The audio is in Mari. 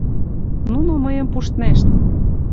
Нуно мыйым пуштнешт.